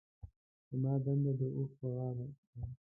زما دنده د اوښ په غاړه شوه.